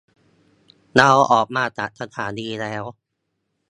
เราออกมาจากสถานีแล้ว